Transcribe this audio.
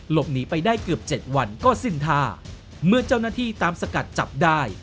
หลบหนีไปได้เกือบเจ็ดวันก็สิ้นท่าเมื่อเจ้าหน้าที่ตามสกัดจับได้